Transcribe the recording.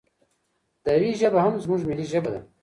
دري ژبه هم زموږ ملي ژبه ده.